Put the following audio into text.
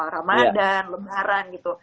ramadan lebaran gitu